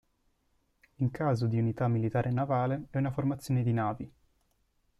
In caso di unità militare navale è una formazione di navi.